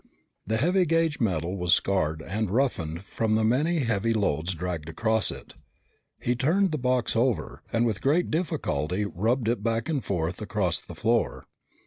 The heavy gauge metal was scarred and roughened from the many heavy loads dragged across it. He turned the box over, and with great difficulty, rubbed it back and forth across the floor.